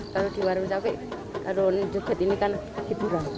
kalau di warung capek karun juga ini kan hiburan